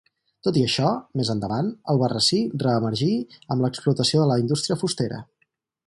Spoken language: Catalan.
Tot i això, més endavant Albarrasí reemergí amb l'explotació de la indústria fustera.